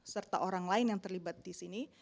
serta orang lain yang terlibat disini